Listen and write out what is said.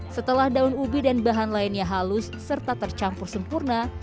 setelah daun ubi dan bahan lainnya halus serta tercampur sempurna